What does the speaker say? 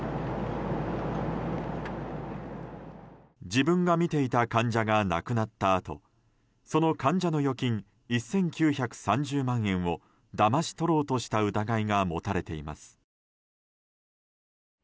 自分が診ていた患者が亡くなったあとその患者の預金１９３０万円をだまし取ろうとした疑いが持たれています。